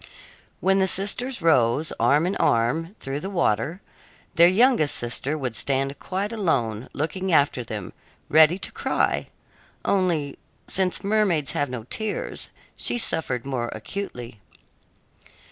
When the sisters rose, arm in arm, through the water, their youngest sister would stand quite alone, looking after them, ready to cry only, since mermaids have no tears, she suffered more acutely.